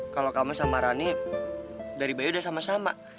kalau kamu sama rani dari bayi udah sama sama